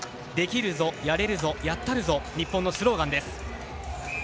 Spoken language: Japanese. できるぞ、やれるぞ、やったるぞ日本のスローガンです。